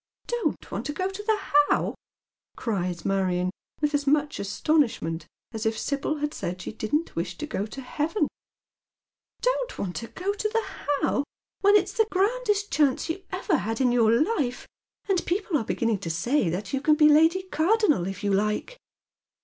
" Don't want to go to the How I " cries Marion, with as much astonishment as if Sibyl had said she didn't wish to go to heaven. •' Don't want to go to the How, when it's the grandest chance you ever had in your life, and people are beginning to say that you can be Lady Cardonnel if you like."